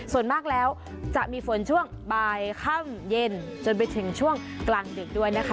ส่วนมากแล้วจะมีฝนช่วงบ่ายค่ำเย็นจนไปถึงช่วงกลางดึกด้วยนะคะ